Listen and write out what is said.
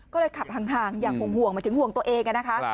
ก็เลยขับห่างอย่างห่วงหมายถึงห่วงตัวเองนะคะ